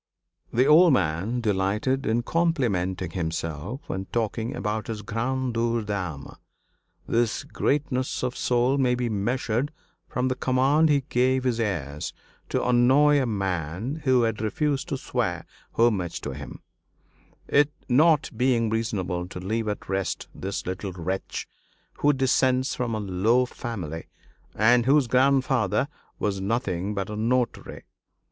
The old man delighted in complimenting himself and talking about his "grandeur d'âme." This greatness of soul may be measured from the command he gave his heirs to annoy a man who had refused to swear homage to him, "it not being reasonable to leave at rest this little wretch, who descends from a low family, and whose grandfather was nothing but a notary."